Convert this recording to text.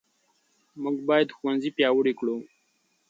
موږ باید ښوونځي پیاوړي کړو.